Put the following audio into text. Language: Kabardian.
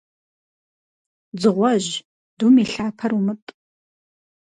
Дзыгъуэжь, дум и лъапэр умытӀ.